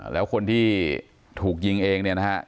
แล้วคนที่ถูกยิงเองเนี่ยนะฮะ